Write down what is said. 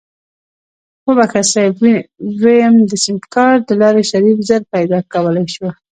وبښه صيب ويم د سيمکارټ دلارې شريف زر پيدا کولی شو.